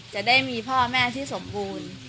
จะได้มีพ่อแม่ที่สมบูรณ์